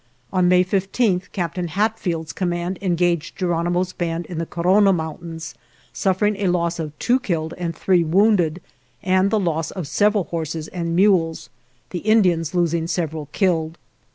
" On May 15 Captain Hatfield's com mand engaged Geronimo's band in the Corrona Mountains, suffering a loss of two killed and three wounded, and the loss of several horses and mules, the Indians losing several killed.